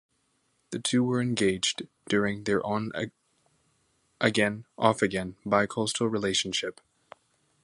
The two were engaged during their on-again, off-again bi-coastal relationship.